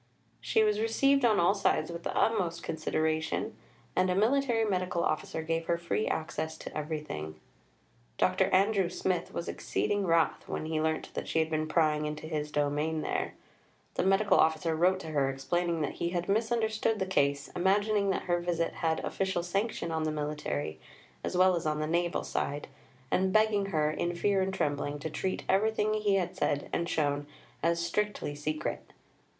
She was received on all sides with the utmost consideration, and a Military Medical Officer gave her free access to everything. Dr. Andrew Smith was exceeding wrath when he learnt that she had been prying into his domain there. The Medical Officer wrote to her explaining that he had misunderstood the case, imagining that her visit had official sanction on the military, as well as on the naval side, and begging her, in fear and trembling, to treat everything he had said and shown as strictly secret.